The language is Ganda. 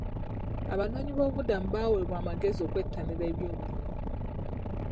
Abanoonyiboobubudmu baaweebwa amagezi okwettanira ebyobulimi.